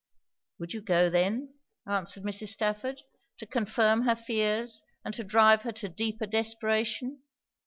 'Would you go then,' answered Mrs. Stafford, 'to confirm her fears and to drive her to deeper desperation?